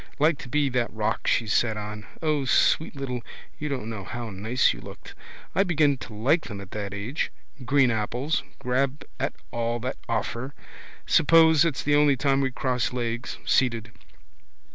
Like to be that rock she sat on. O sweet little, you don't know how nice you looked. I begin to like them at that age. Green apples. Grab at all that offer. Suppose it's the only time we cross legs, seated.